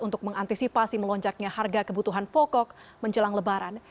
untuk mengantisipasi melonjaknya harga kebutuhan pokok menjelang lebaran